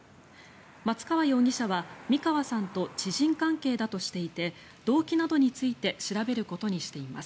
松川容疑者は三川さんと知人関係だとしていて動機などについて調べることにしています。